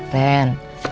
ren tenang aja